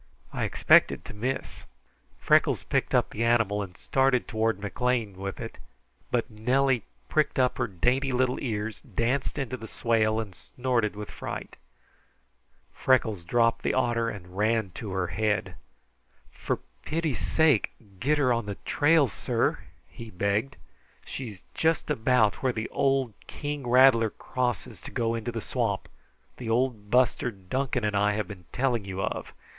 I expected to miss." Freckles picked up the animal and started toward McLean with it, but Nellie pricked up her dainty little ears, danced into the swale, and snorted with fright. Freckles dropped the otter and ran to her head. "For pity's sake, get her on the trail, sir," he begged. "She's just about where the old king rattler crosses to go into the swamp the old buster Duncan and I have been telling you of.